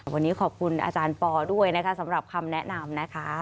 วันนี้ขอบคุณอาจารย์ปอด้วยนะคะสำหรับคำแนะนำนะคะ